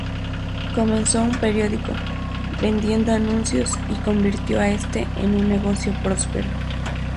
Comenzó un periódico, vendiendo anuncios y convirtió a este en un negocio próspero.